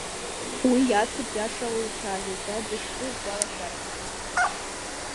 Уи иацуп Иашала уцәажәеит, дад захьӡу гәалашәаракгьы.